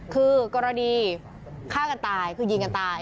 คือกรณีฆ่ากันตายคือยิงกันตาย